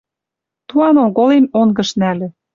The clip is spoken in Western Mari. Туан оголем онгыш нӓльӹ